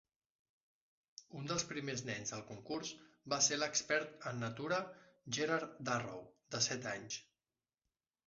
Un dels primers nens del concurs va ser l'expert en natura Gerard Darrow, de set anys.